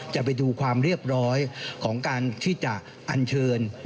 จะไปดูความเรียบร้อยของการที่จะอันเชิญ